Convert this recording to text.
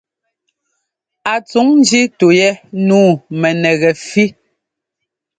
A tsuŋ ńjí tu yɛ. Nǔu mɛnɛgɛfí.